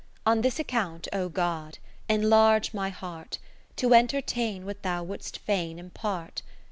On this account, O God, enlarge my heart To entertain what Thou wouldst fain impart.